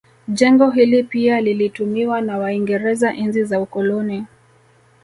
Jengo hili pia lilitumiwa na waingereza enzi za ukoloni